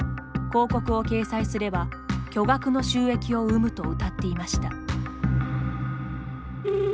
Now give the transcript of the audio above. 広告を掲載すれば巨額の収益を生むとうたっていました。